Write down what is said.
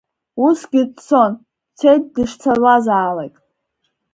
Усгьы дцон, дцеит дышцалазаалак.